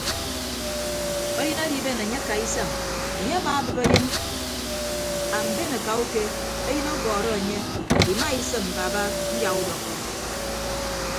Eyịn adiben enye akaa isañ enye amaabịp eyịn amben akauke eyịn ọbọọrọ enye imaisịm baba nyaudọkkọ.